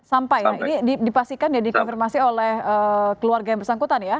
sampai ya ini dipastikan dan dikonfirmasi oleh keluarga yang bersangkutan ya